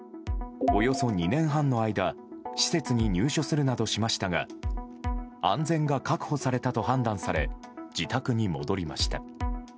およそ２年半の間施設に入所するなどしましたが安全が確保されたと判断され自宅に戻りました。